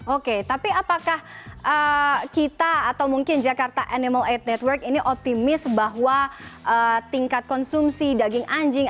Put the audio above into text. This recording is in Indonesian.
oke tapi apakah kita atau mungkin jakarta animal aid network ini optimis bahwa tingkat konsumsi daging anjing